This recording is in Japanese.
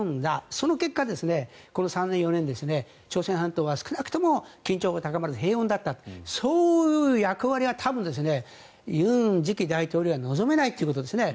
その結果、この３年、４年朝鮮半島は緊張が高まらず平和だったそういう役割は多分尹次期大統領は望めないということですね。